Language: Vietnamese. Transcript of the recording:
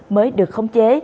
mới được khống chế